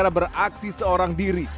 dia menangkap seorang diri